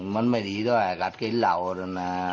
มันไม่ดีด้วยอยากกัดกินเหล่าด้วยนะ